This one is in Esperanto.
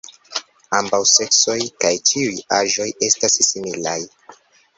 Ambaŭ seksoj kaj ĉiuj aĝoj estas similaj.